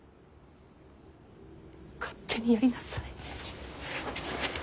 勝手にやりなさい。